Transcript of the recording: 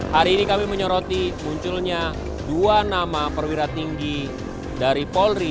hari ini kami menyoroti munculnya dua nama perwira tinggi dari polri